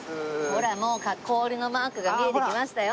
ほらもう氷のマークが見えてきましたよ。